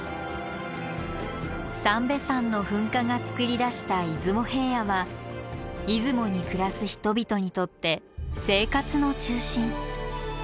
三瓶山の噴火がつくり出した出雲平野は出雲に暮らす人々にとって生活の中心。